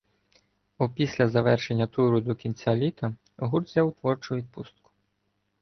Опісля завершення туру до кінця літа гурт взяв творчу відпустку.